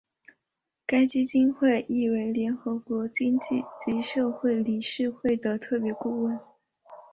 该基金会亦为联合国经济及社会理事会的特别顾问。